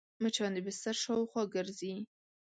مچان د بستر شاوخوا ګرځي